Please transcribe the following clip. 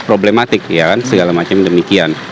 problematik ya kan segala macam demikian